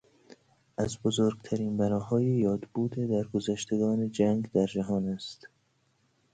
از بزرگترین بناهای یادبود درگذشتگان جنگ در جهان است.